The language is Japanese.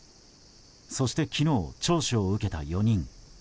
そして昨日、聴取を受けた４人。